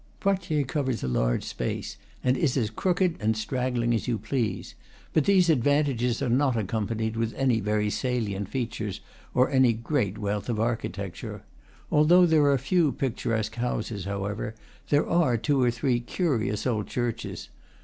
Poiters covers a large space, and is as crooked and straggling as you please; but these advantages are not accompanied with any very salient features or any great wealth of architecture. Although there are few picturesque houses, however, there are two or three curious old churches.